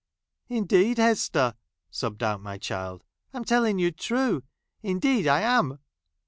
Indeed, Hester," sobbed out my child ;'" I'm telling you true. Indeed I am."